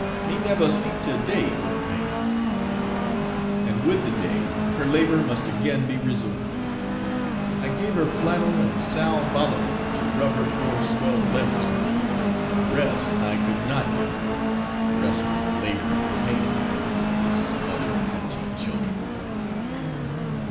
me neber sleep till day for de pain,' and with the day her labour must again be resumed. I gave her flannel and sal volatile to rub her poor swelled limbs with; rest I could not give her rest from her labour and her pain this mother of fifteen children.